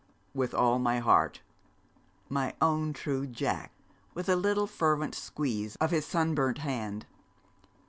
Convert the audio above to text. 'With all my heart.' 'My own true Jack,' with a little fervent squeeze of his sunburnt hand.